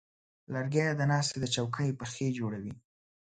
لرګی د ناستې د چوکۍ پښې جوړوي.